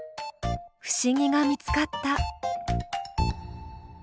不思議が見つかった。